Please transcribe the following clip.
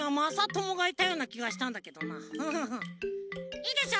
いいでしょ？